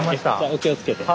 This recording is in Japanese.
お気をつけて。